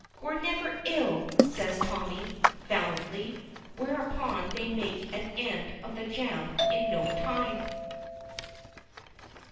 We're never ill," says Tommy, valiantly, whereupon they make an end of the jam in no time.